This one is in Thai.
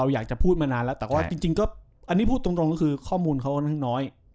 อยากจะพูดมานานแล้วแต่ว่าจริงก็อันนี้พูดตรงก็คือข้อมูลเขาค่อนข้างน้อย